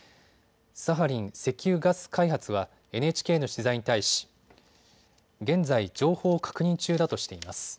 サハリン石油ガス開発はＮＨＫの取材に対し現在情報を確認中だとしています。